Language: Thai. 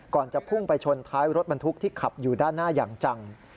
จะพุ่งไปชนท้ายรถบรรทุกที่ขับอยู่ด้านหน้าอย่างจัง